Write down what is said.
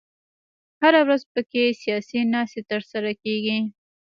هره ورځ په کې سیاسي ناستې تر سره کېږي.